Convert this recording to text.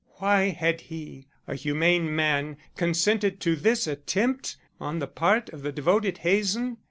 Why had he, a humane man, consented to this attempt on the part of the devoted Hazen?